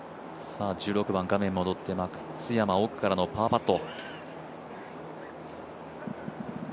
１６番、画面戻って松山奥からのパーパット。